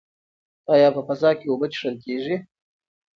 ایا په فضا کې اوبه څښل کیږي؟